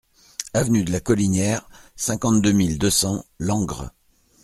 Avenue de la Collinière, cinquante-deux mille deux cents Langres